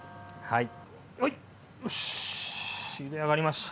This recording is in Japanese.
はい。